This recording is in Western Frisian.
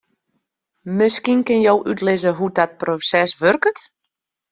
Miskien kinne jo útlizze hoe't dat proses wurket?